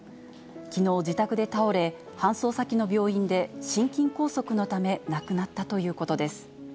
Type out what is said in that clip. きのう、自宅で倒れ、搬送先の病院で心筋梗塞のため亡くなったということです。